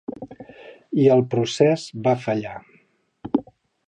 I el procés va fallar.